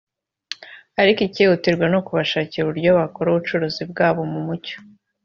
ariko ikihutirwa ni ukubashakira uburyo bakora ubucuruzi bwabo mu mucyo